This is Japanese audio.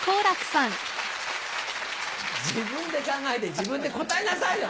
自分で考えて自分で答えなさいよ！